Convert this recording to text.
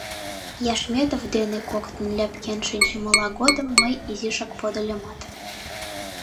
Яшметов дене коктын ляпкен шинчымыла годым мый изишак подыльымат...